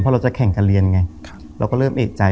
เพราะเราจะแข่งกันเรียนไงเราก็เริ่มเอกใจ